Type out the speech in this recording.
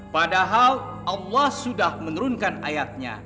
padahal allah sudah menurunkan ayatnya